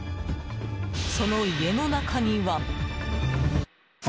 その家の中には。